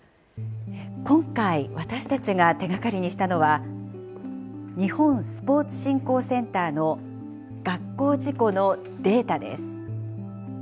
今回私たちが手がかりにしたのは日本スポーツ振興センターの学校事故のデータです。